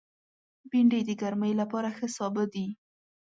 بېنډۍ د ګرمۍ لپاره ښه سابه دی